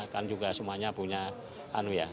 kan juga semuanya punya anu ya